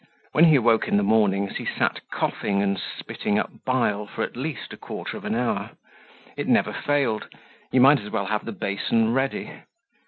When he awoke in the mornings he sat coughing and spitting up bile for at least a quarter of an hour. It never failed, you might as well have the basin ready.